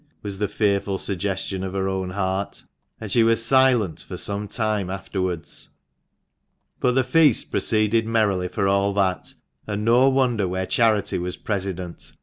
was the fearful suggestion of her own heart, and she was silent for some time afterwards. But the feast proceeded merrily for all that, and no wonder where Charity was president.